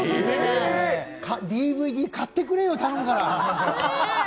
ＤＶＤ買ってくれよ、頼むから。